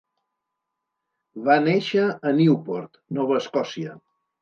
Va néixer a Newport, Nova Escòcia.